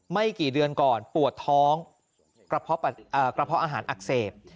ไม่กี่เดือนก่อนปวดท้องกระเพาะอาหารอักเสบ